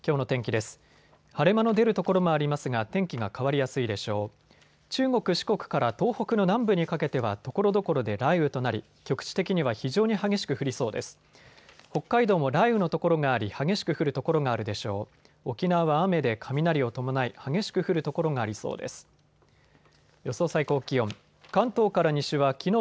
北海道も雷雨の所があり激しく降る所があるでしょう。